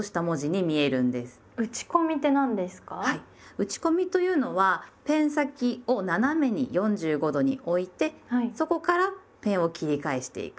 打ち込みというのはペン先を斜めに４５度に置いてそこからペンを切り返していく。